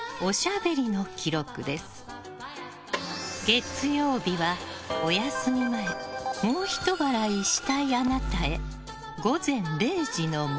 月曜日は、お休み前もうひと笑いしたいあなたへ。